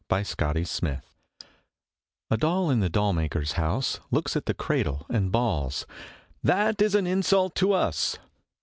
II THE DOLLS A doll in the doll maker's house Looks at the cradle and balls: 'That is an insult to us.'